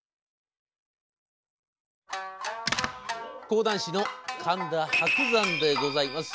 講談師の神田伯山でございます。